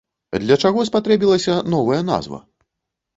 Для чаго спатрэбілася новая назва?